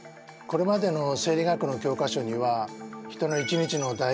これまでの生理学の教科書には人の１日のだ